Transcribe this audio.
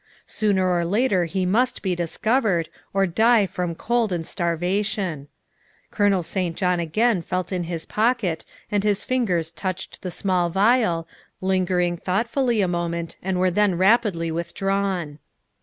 Sooner or later he must be discovered, or die from cold and starvation. Colonel St. John again felt in his pocket and his fingers touched the small vial, lingering thoughtfully a moment, and were then rapidly with drawn.